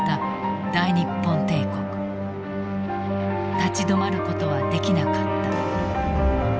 立ち止まることはできなかった。